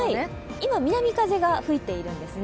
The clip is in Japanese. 今、南風が吹いているんですね。